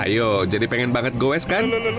ayo jadi pengen banget goes kan